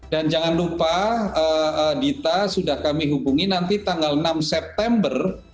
dan jangan lupa dita sudah kami hubungi nanti tanggal enam september